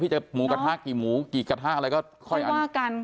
พี่จะหมูกระทะกี่หมูกี่กระทะอะไรก็ข้อยประวัง